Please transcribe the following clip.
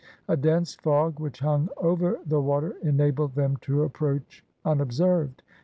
A dense fog which hung over the water enabled them to approach unobserved.